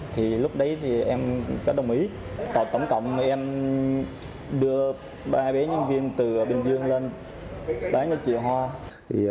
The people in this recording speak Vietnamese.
thì lúc đấy thì em có đồng ý tổng cộng em đưa ba bế nhân viên từ bình dương lên bán cho chị hoa